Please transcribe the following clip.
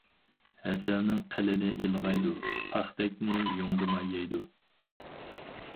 ھەسەلنىڭ قىلىنى ئىلغايدۇ، پاختەكنى يۇڭدىماي يەيدۇ.